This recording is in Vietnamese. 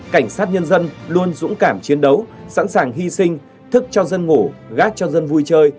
cảnh sát nhân dân luôn dũng cảm chiến đấu sẵn sàng hy sinh thức cho dân ngủ gác cho dân vui chơi